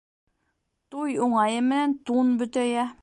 Туй уңайы менән тун бөтәйә.